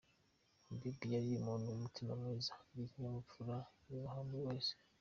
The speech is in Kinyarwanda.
Habib yari umuntu w’umutima mwiza, agira ikinyabupfura yubaha buri wese.